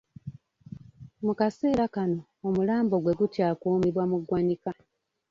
Mu kaseera kano, omulambo gwe gukyakuumibwa mu ggwanika.